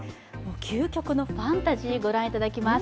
究極のファンタジー、御覧いただきます。